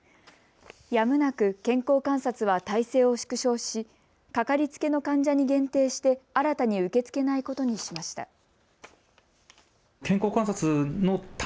やむなく健康観察は態勢を縮小しかかりつけの患者に限定して新たに受け付けないことにしました。